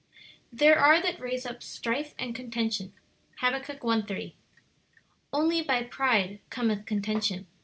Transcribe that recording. "There are that raise up strife and contention." Hab. 1:3. "Only by pride cometh contention."